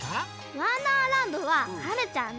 「わんだーらんど」ははるちゃんね！